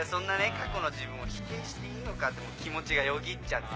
過去の自分を否定していいのかとも気持ちがよぎっちゃって。